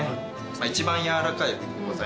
一番やわらかい部位でございます。